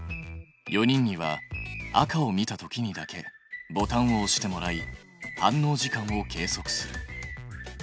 ４人には赤をみたときにだけボタンをおしてもらい反応時間を計測する。